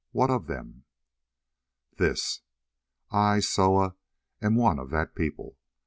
What of them?" "This: I, Soa, am one of that people.